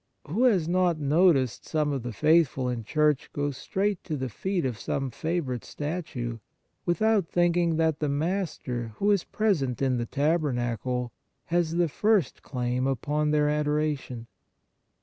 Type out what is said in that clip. Who has not noticed some of the faithful in church go straight to the feet of some favourite statue without thinking that the Master, who is pre sent in the Tabernacle, has the first claim upon their adoration